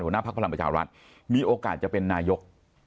หัวหน้าภักดิ์พระรามประชาวรัฐมีโอกาสจะเป็นนายก